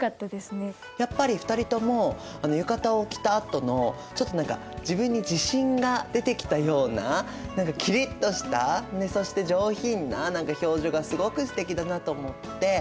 やっぱり２人とも浴衣を着たあとのちょっと何か自分に自信が出てきたようなキリッとしたそして上品な表情がすごくすてきだなと思って。